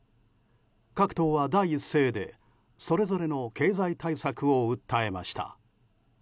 各党は第一声でそれぞれの経済対策を訴えました。